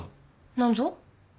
何ぞ？